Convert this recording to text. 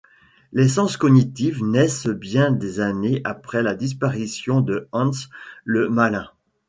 Les sciences cognitives naissent bien des années après la disparition de Hans le Malin.